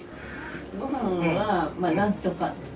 ごはんは、まあなんとか。